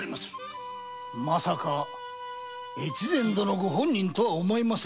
まさか越前殿御本人とは思いませぬが。